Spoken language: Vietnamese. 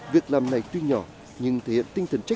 việc làm này tuy nhỏ nhưng thể hiện tinh thần trách